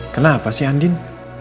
kenapa sih andin